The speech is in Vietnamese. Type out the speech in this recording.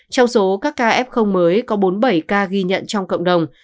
trong số các ca f mới có bốn mươi bảy ca ghi nhận trong cộng đồng